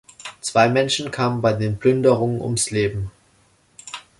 Zwei Menschen kamen bei den Plünderungen ums Leben.